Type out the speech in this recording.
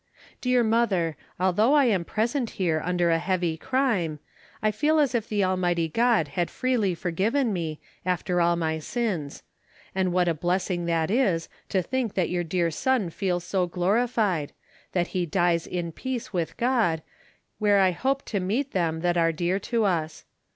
Dear Mother, although I am present here under a heavy crime, I feel as if the Almighty God had freely forgiven me, after all my sins. And what a blessing that is to think that your dear son feels so glorified that he dies in peace with God, where I hope to meet them that are dear to us.